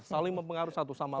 saling mempengaruh satu sama lain